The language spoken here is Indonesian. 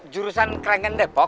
jurusan kerengan depok